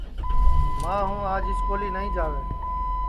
ماں ہوں آج سکولی نائی جاوے